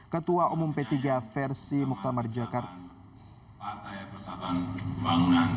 ketua umum p tiga versi muktamar jakarta